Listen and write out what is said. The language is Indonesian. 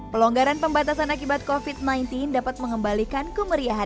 pelonggaran pembatasan akibat covid sembilan belas dapat mengembalikan kembali ke negara